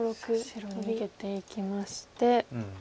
白逃げていきまして。